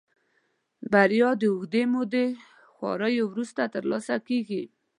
بريا د اوږدې مودې خواريو وروسته ترلاسه کېږي.